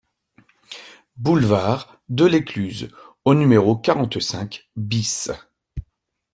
Boulevard Delescluze au numéro quarante-cinq BIS